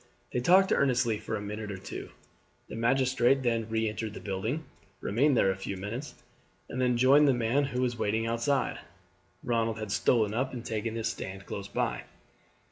They talked earnestly for a minute or two. The magistrate then re entered the building, remained there a few minutes, and then joined the man who was waiting outside. Ronald had stolen up and taken his stand close by.